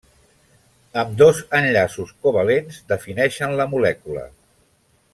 Ambdós enllaços covalents defineixen la molècula.